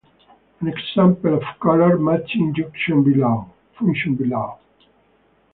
An example of color matching function below.